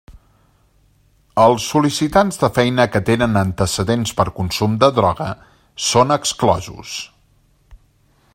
Els sol·licitants de feina que tenen antecedents per consum de droga són exclosos.